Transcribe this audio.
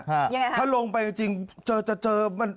ยังไงฮะถ้าลงไปจริงเจอจะเจอมัน